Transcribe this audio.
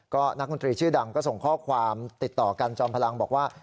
ก็นักดนตรีชื่อดังก็ส่งข้อความติดต่อกันจอมพลังบอกว่า